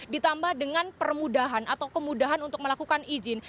ditambah dengan permudahan atau kemudahan untuk melakukan izin